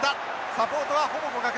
サポートはほぼ互角。